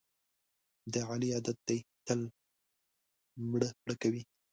د علي عادت دی تل مړه پړه کوي.